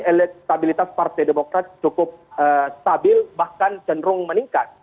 elektabilitas partai demokrat cukup stabil bahkan cenderung meningkat